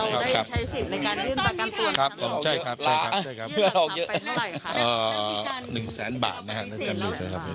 เราได้ใช้สิทธิ์ในการยื่นประกันตัว